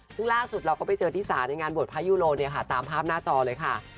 ซึ่งล่าสุดเราก็ไปเจอธิสาในงานบดพระยูรณ์ตามภาพหน้าจอเลยค่ะ